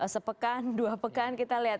sepekan dua pekan kita lihat